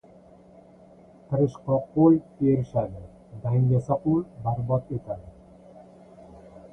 • Tirishqoq qo‘l erishadi, dangasa qo‘l barbod etadi.